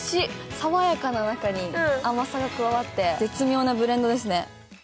さわやかな中に甘さが加わって、絶妙なブレンドですね。